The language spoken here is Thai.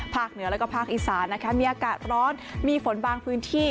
เหนือแล้วก็ภาคอีสานนะคะมีอากาศร้อนมีฝนบางพื้นที่